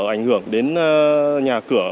ảnh hưởng đến nhà cửa